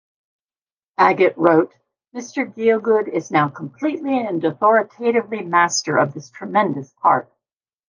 Agate wrote, Mr Gielgud is now completely and authoritatively master of this tremendous part...